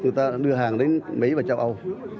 người ta đưa hàng đến mỹ và châu âu